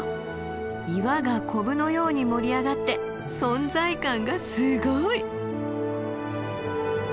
岩がコブのように盛り上がって存在感がすごい！